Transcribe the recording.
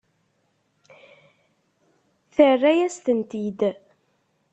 Terra-yas-tent-id.